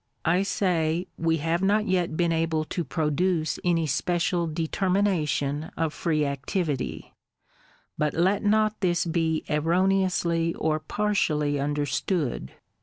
I say, we have not yet been able to produce any special determination of free activity; — but let not this be erroneously or partially understood.